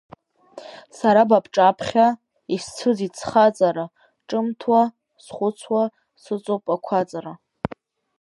Сара ба бҿаԥхьа, исцәыӡт схаҵара, ҿымҭуа, схәцуа, сыҵоуп ақәаҵара.